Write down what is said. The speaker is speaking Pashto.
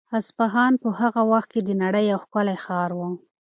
اصفهان په هغه وخت کې د نړۍ یو ښکلی ښار و.